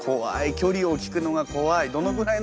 距離を聞くのが怖い。